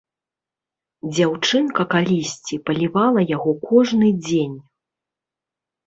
Дзяўчынка калісьці палівала яго кожны дзень.